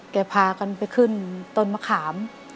พากันไปขึ้นต้นมะขาม